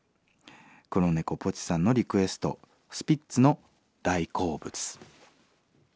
黒ネコポチさんのリクエストスピッツの「大好物」。